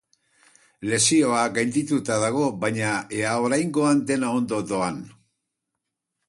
Lesioa gaindituta dago, baina ea oraingoan dena ondo doan.